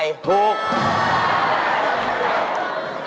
ถูก